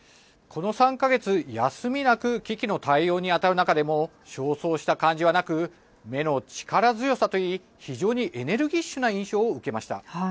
この３か月休みなく危機の対応に当たる中でも焦燥した感じはなく目の力強さといい非常にエネルギッシュな印象を受けました。